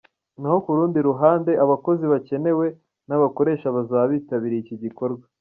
Naho ku rundi ruhande, abakozi bakenewe n’abakoresha bazaba bitabirye iki gikorwa.